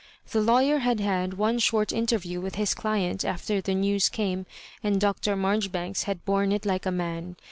The lawyer had had one short interview with his dient after the news came, and Dr. Maijoribanks had borne it like a man.